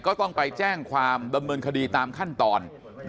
ก็ต้องไปแจ้งความดำเนินคดีตามขั้นตอน